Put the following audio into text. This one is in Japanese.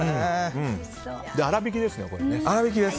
粗びきですね、これ。